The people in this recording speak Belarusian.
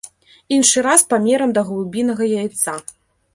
Іншы раз памерам да галубінага яйца.